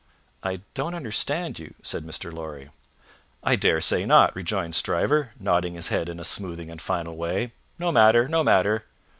"I don't understand you," said Mr. Lorry. "I dare say not," rejoined Stryver, nodding his head in a smoothing and final way; "no matter, no matter."